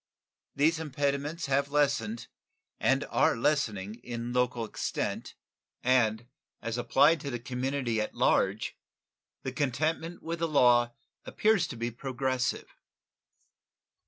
These impediments have lessened and are lessening in local extent, and, as applied to the community at large, the contentment with the law appears to be progressive.